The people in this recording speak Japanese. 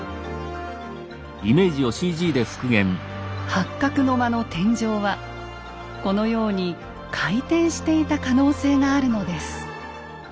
八角の間の天井はこのように回転していた可能性があるのです。